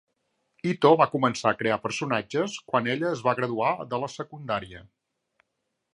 Ito va començar a crear personatges quan ella es va graduar de la secundària.